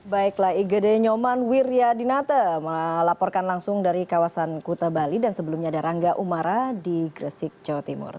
baiklah igede nyoman wiryadinata melaporkan langsung dari kawasan kuta bali dan sebelumnya ada rangga umara di gresik jawa timur